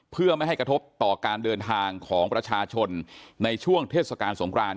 เพื่อไม่ให้กระทบต่อการเดินทางของประชาชนในช่วงเทศกาลสงคราน